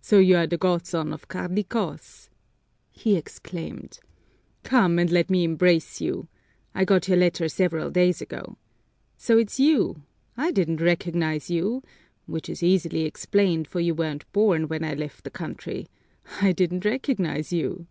"So you are the godson of Carlicos!" he exclaimed. "Come and let me embrace you! I got your letter several days ago. So it's you! I didn't recognize you, which is easily explained, for you weren't born when I left the country, I didn't recognize you!"